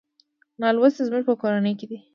نالوستي زموږ په کورونو کې دي.